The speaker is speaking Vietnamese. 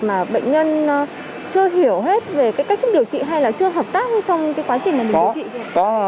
mà bệnh nhân chưa hiểu hết về cách chức điều trị hay là chưa hợp tác trong quá trình điều trị